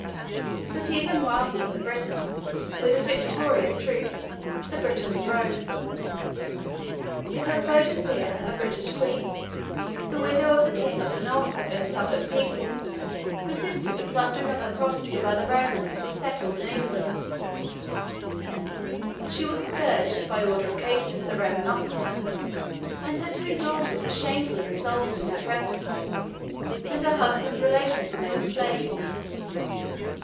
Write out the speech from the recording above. But, even while he was in Britain, with his victorious troops, the Britons rose. Because Boadicea, a British queen, the widow of the King of the Norfolk and Suffolk people, resisted the plundering of her property by the Romans who were settled in England, she was scourged, by order of Catus a Roman officer; and her two daughters were shamefully insulted in her presence, and her husband's relations were made slaves.